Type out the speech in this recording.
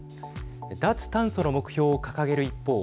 脱炭素の目標を掲げる一方